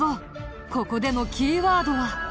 ここでのキーワードは。